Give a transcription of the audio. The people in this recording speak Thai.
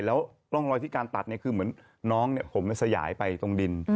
แล้วร่องรอยที่การตัดเนี่ยคือเหมือนน้องผมสยายไปตรงดิน